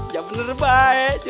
ya bener baik